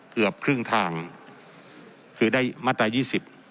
เกือบครึ่งทางคือได้มาตรายี่สิบ